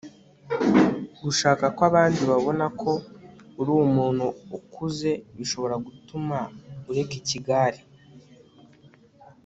gushaka ko abandi babona ko uri umuntu ukuze bishobora gutuma ureka ikigare